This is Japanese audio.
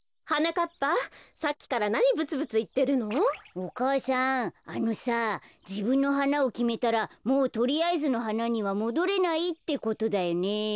お母さんあのさじぶんのはなをきめたらもうとりあえずのはなにはもどれないってことだよね。